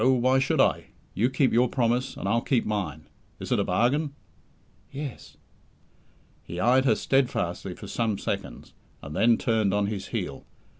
Why should I? You keep your promise, and I'll keep mine. Is it a bargain?" "Yes." He eyed her steadfastly for some seconds, and then turned on his heel.